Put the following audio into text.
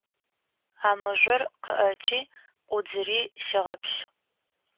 А мыжъор къэӏэти ӏудзыри сегъэплъ.